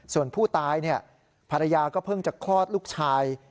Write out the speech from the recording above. ส่วนผู้ตายภรรยาก็เพิ่งจะคลอดลูกชาย